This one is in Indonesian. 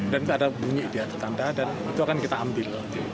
dan ada bunyi di atas tanda dan itu akan kita ambil